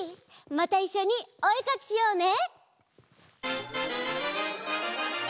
またいっしょにおえかきしようね！